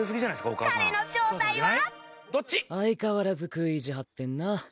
彼の正体は相変わらず食い意地張ってるなゆいは。